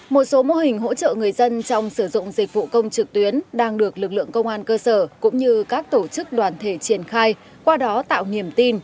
một số mô hình hỗ trợ người dân trong sử dụng dịch vụ công trực tuyến đang được lực lượng công an cơ sở cũng như các tổ chức đoàn thể triển khai qua đó tạo nghiềm tin